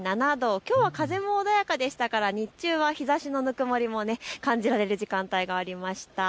きょうは風も穏やかでしたから日中は日ざしのぬくもりも感じられる時間帯がありました。